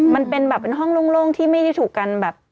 มันเป็นแบบเป็นห้องโล่งที่ไม่ได้ถูกกันแบบ